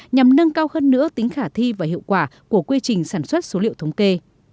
nhằm nâng cao hơn nữa tính khả thi và hiệu quả của quy trình sản xuất số liệu thống kê